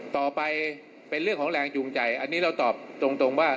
ต่อไปเป็นเรื่องของแรงจูงใจอันนี้เราตอบตรงว่า